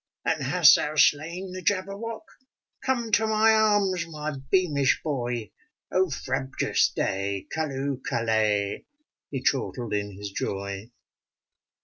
'* And hast thou slain the Jabberwock ? Come to my arms, my beamish boy ! Oh, frabjous day! Calloohl callay! He chortled in his joy.